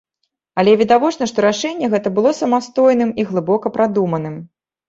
Але відавочна, што рашэнне гэта было самастойным і глыбока прадуманым.